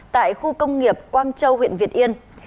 tại khu công nghiệp quang châu huyện việt yên